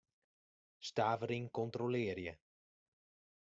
Stavering kontrolearje.